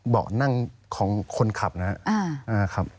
เบาะนั่งของคนขับนะครับ